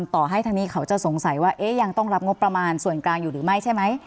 ต่อให้ทางนี้เขาจะสงสัยว่ายังต้องรับงบประมาณส่วนกลางอยู่หรือไม่ใช่ไหม